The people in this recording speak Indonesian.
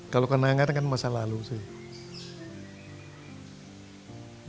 kalau kenangan kan masa lalu sih